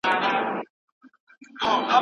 د صنعت اداره جوړه سوې ده.